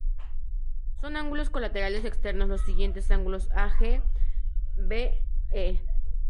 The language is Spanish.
Son ángulos colaterales externos los siguientes ángulos: a,g; be, he.